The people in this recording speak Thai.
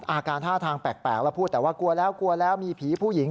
อาการท่าทางแปลกแล้วพูดแต่ว่ากลัวแล้วกลัวแล้วมีผีผู้หญิง